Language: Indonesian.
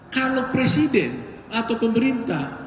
kalau presiden atau pemerintah